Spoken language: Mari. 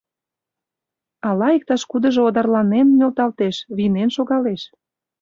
Ала иктаж-кудыжо одарланен нӧлталтеш, вийнен шогалеш?